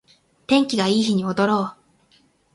天気がいい日に踊ろう